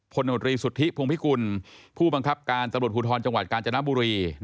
นมตรีสุทธิพงภิกุลผู้บังคับการตำรวจภูทรจังหวัดกาญจนบุรี